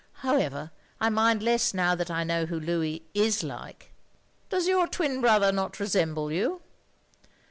However, I nwnd less now that I know who Louis is like." " Does your twin brother not resemble you?